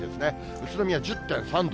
宇都宮１０．３度。